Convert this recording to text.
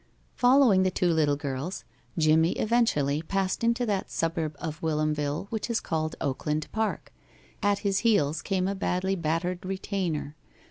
Following the two little girls, Jimmie eventually passed into that suburb of Whilomville which is called Oakland Park. At his heels came a badly battered retainer.